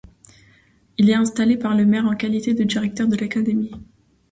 Il est installé par le maire en qualité de directeur de l'Académie.